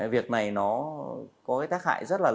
việc này nó có cái tác hại rất là lớn